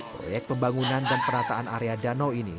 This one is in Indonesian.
proyek pembangunan dan perataan area danau